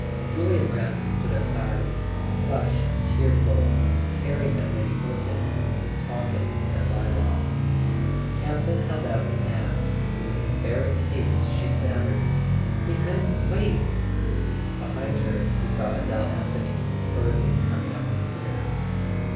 Julia Brant stood outside, flushed and tearful, carrying as many orchids as Mrs. Talkett had sent lilacs. Campton held out his hand, and with an embarrassed haste she stammered: "we couldn't [ 405 ] A SON AT THE FRONT wait " Behind her he saw Adele Anthony hur¬ riedly coming up the stairs.